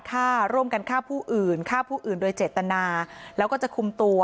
ฆ่าร่วมกันฆ่าผู้อื่นฆ่าผู้อื่นโดยเจตนาแล้วก็จะคุมตัว